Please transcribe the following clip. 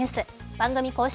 番組公式